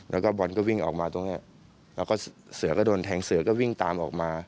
แล้วก็บอลก็วิ่งออกมาตรงเนี้ยแล้วก็เสือก็โดนแทงเสือก็วิ่งตามออกมา